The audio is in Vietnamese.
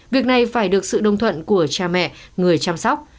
việc này phải được sự đồng thuận của cha mẹ người chăm sóc